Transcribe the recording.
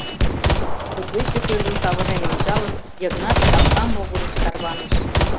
Кудывече кӧргым савырнен ончалын, Йыгнат капка могырыш тарваныш.